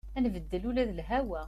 Ad nbeddel ula d lhawa.